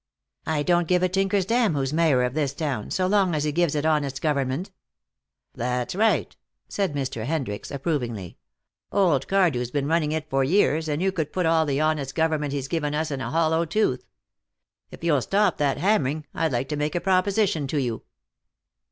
"I don't give a tinker's dam who's mayor of this town, so long as he gives it honest government." "That's right," said Mr. Hendricks approvingly. "Old Cardew's been running it for years, and you could put all the honest government he's given us in a hollow tooth. If you'll stop that hammering, I'd like to make a proposition to you."